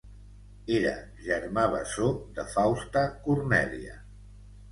Era germà bessó de Fausta Cornèlia.